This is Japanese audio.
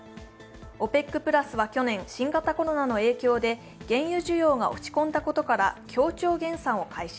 ＯＰＥＣプラスは去年、新型コロナの影響で原油需要が落ち込んだことから協調減産を開始